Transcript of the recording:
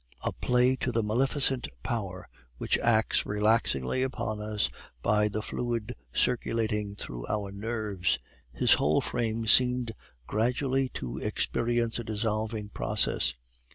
A prey to the maleficent power which acts relaxingly upon us by the fluid circulating through our nerves, his whole frame seemed gradually to experience a dissolving process.